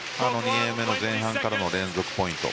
２ゲーム目の前半からの連続ポイント。